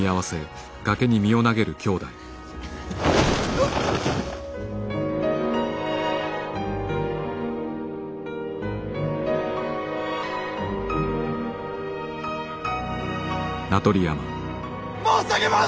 あ！申し上げます！